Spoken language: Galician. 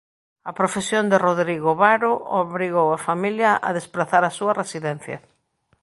A profesión de Rodrigo Varo obrigou a familia a desprazar a súa residencia.